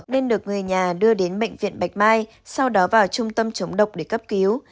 nên được người nhà đưa đến bệnh viện bạch mai sau đó vào trung tâm chống độc để cấp cứu